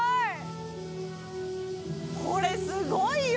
これすごいよ。